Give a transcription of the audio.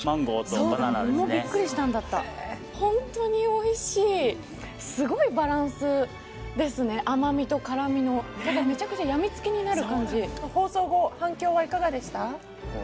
そうだ桃ビックリしたんだったホントにおいしいすごいバランスですね甘みと辛みのめちゃくちゃ病みつきになる感じ放送後反響はいかがでした？